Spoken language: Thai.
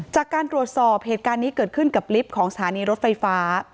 จากการตรวจสอบเหตุการณ์นี้เกิดขึ้นกับลิฟต์ของสถานีรถไฟฟ้า